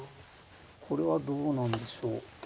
これはどうなんでしょう。